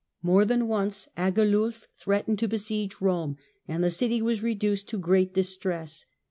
More than once Agilulf threatened to besiege Rome, and the city was reduced to great distress.